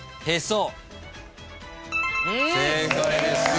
正解です。